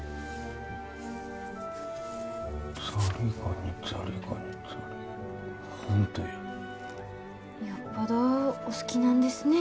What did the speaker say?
ザリガニザリガニザリホントやよっぽどお好きなんですね